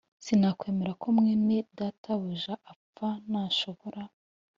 sinakwemera ko mwene databuja apfa nashobora